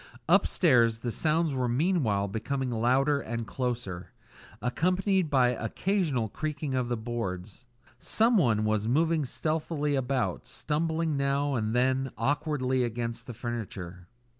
Upstairs, the sounds were meanwhile becoming louder and closer, accompanied by occasional creaking of the boards. Someone was moving stealthily about, stumbling now and then awkwardly against the furniture.